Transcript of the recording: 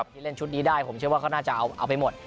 เล่นชุดนี้ได้ผมเชื่อว่าเขาน่าจะเอาไปหมด